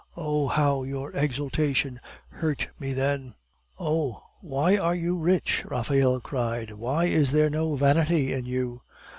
"Oh, how your exultation hurt me then!" "Oh, why are you rich?" Raphael cried; "why is there no vanity in you?